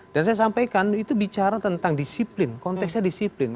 dan saya sampaikan itu bicara tentang disiplin konteksnya disiplin